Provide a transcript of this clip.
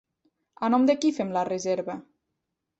A nom de qui fem la reserva?